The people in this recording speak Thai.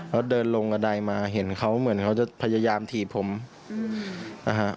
แล้วเดินลงกระดายมาเห็นเขาเหมือนเขาจะพยายามถีบผมนะฮะ